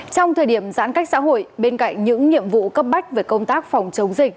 trong thời điểm giãn cách xã hội bên cạnh những nhiệm vụ cấp bách về công tác phòng chống dịch